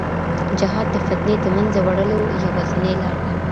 جهاد د فتنې د منځه وړلو یوازینۍ لار ده.